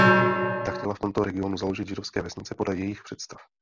Ta chtěla v tomto regionu založit židovské vesnice podle jejích představ.